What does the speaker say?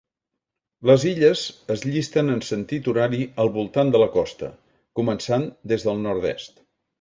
Les illes es llisten en sentit horari al voltant de la costa, començant des del nord-est.